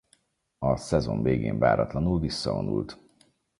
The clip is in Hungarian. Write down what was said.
A szezon végén váratlanul visszavonult.